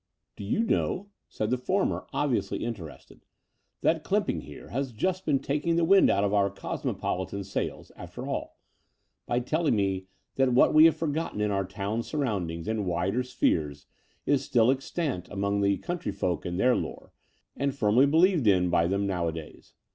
"Do you know," said the former, obviously interested, ''that Clymping here has just been taking the wind out of our cosmopolitan sails, after all, by telling me that what we had forgotten in our town surrotmdings and wider spheres is still extant amongst the cotmtry folk in their lore, and firmly believed in by them nowadays?